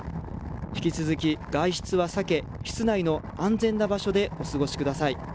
引き続き外出は避け、室内の安全な場所でお過ごしください。